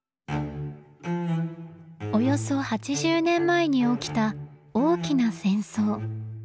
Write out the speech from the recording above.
およそ８０年前に起きた大きな戦争。